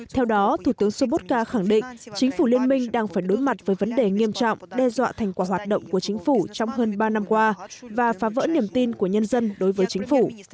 theo đó thủ tướng sôbotca khẳng định chính phủ liên minh đang phải đối mặt với vấn đề nghiêm trọng đe dọa thành quả hoạt động của chính phủ trong hơn ba năm qua và phá vỡ niềm tin của nhân dân đối với chính phủ